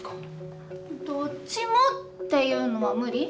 どっちもっていうのは無理？